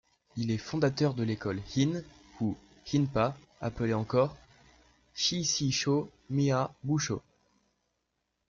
Il est le fondateur de l'École In, ou In-pa, appelée encore: Shichijō'miya Bussho.